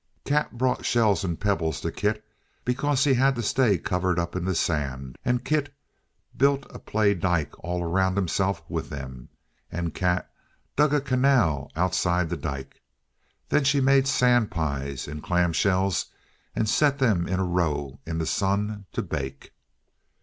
Kat brought shells and pebbles to Kit, because he had to stay covered up in the sand, and Kit built a play dyke all around himself with them, and Kat dug a canal outside the dyke. Then she made sand pies in clam shells and set them in a row in the sun to bake.